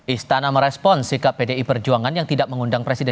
istana merespon sikap pdi perjuangan yang tidak mengundang presiden